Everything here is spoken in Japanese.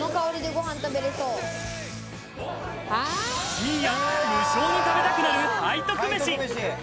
深夜、無性に食べたくなる背徳メシ。